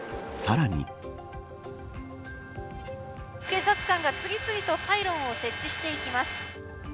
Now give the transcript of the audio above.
警察官が次々とパイロンを設置していきます。